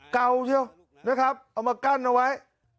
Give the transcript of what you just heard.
เก่าเชียวนะครับเอามากั้นเอาไว้